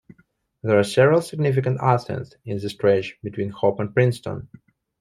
There are several significant ascents in this stretch between Hope and Princeton.